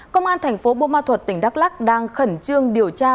công an thành phố bô ma thuật tỉnh đắk lắc đang khẩn trương điều tra